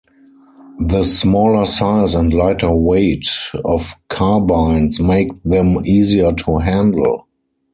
The smaller size and lighter weight of carbines make them easier to handle.